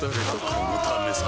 このためさ